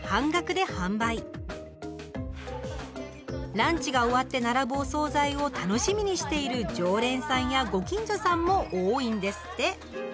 ランチが終わって並ぶお総菜を楽しみにしている常連さんやご近所さんも多いんですって。